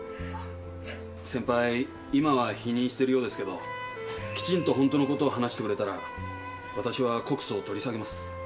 先輩今は否認してるようですけどきちんと本当の事を話してくれたら私は告訴を取り下げます。